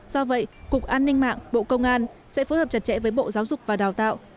do vậy cục an ninh mạng bộ công an sẽ phối hợp chặt chẽ với bộ giáo dục và đào tạo